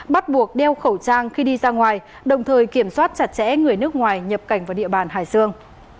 bắt buộc đeo khẩu trang khi đi ra ngoài đồng thời kiểm soát chặt chẽ người nước ngoài nhập cảnh vào địa bàn hải dương